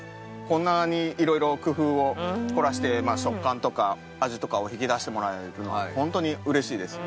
こんなに色々工夫を凝らして食感とか味とかを引き出してもらえるのはホントに嬉しいです。